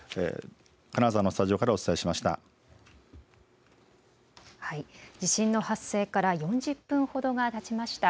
金沢のスタジオからお伝えしました。